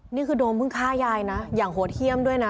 นี่คือโดมเพิ่งฆ่ายายนะอย่างโหเทียมด้วยนะ